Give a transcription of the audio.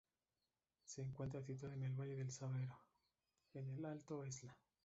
Se encuentra situada en el valle del Sabero, en el Alto Esla.